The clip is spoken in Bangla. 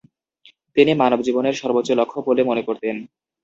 তিনি মানবজীবনের সর্বোচ্চ লক্ষ্য বলে মনে করতেন।